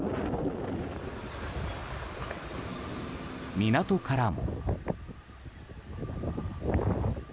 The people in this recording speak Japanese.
港からも。